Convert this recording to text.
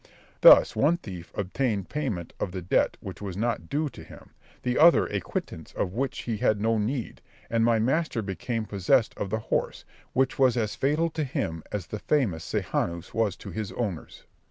Thus one thief obtained payment of the debt which was not due to him, the other a quittance of which he had no need, and my master became possessed of the horse, which was as fatal to him as the famous Sejanus was to his owners.